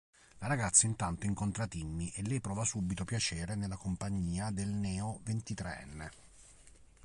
La ragazza intanto incontra Timmy e lei prova subito piacere nella compagnia del neo-ventitreenne.